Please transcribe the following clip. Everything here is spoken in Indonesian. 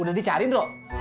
udah dicari bro